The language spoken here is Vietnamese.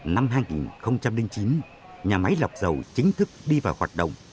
năm hai nghìn chín nhà máy lọc dầu chính thức đi vào hoạt động